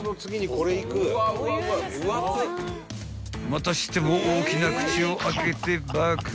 ［またしても大きな口を開けてバクリ］